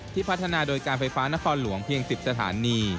พัฒนาโดยการไฟฟ้านครหลวงเพียง๑๐สถานี